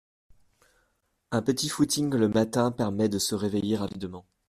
Un petit footing le matin permet de se réveiller rapidement.